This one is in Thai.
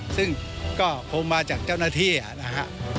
ซึ่งก็ภงมาจากเจ้านที่นน่ะครับ